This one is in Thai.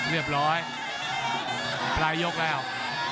เรียบร้อยปลายยกแล้ว